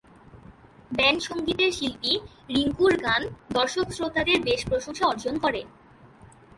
Band সংগীতের শিল্পী রিংকুর গান দর্শক শ্রোতাদের বেশ প্রশংসা অর্জন করে।